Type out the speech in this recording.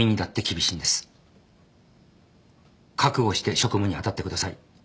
覚悟して職務に当たってください。